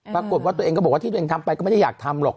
ปรากฏว่าตัวเองก็บอกว่าที่ตัวเองทำไปก็ไม่ได้อยากทำหรอก